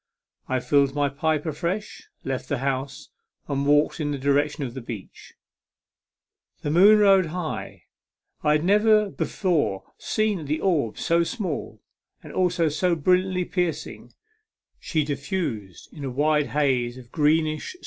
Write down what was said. I filled my pipe afresh, left the house, and walked in the direction of the beach. The moon rode high; I had never before seen the orb so small and also so brilliantly piercing ; she diffused a wide haze of greenish W.